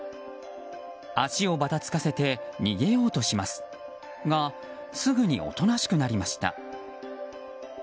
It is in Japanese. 足をばたつかせて逃げようとしますがすぐにおとなしくなりました。